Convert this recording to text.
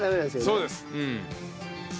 そうです。